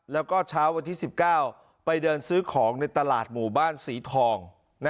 แล้วก็เช้าวันที่๑๙ไปเดินซื้อของในตลาดหมู่บ้านสีทอง